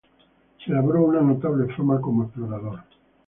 Se labró una notable fama como explorador.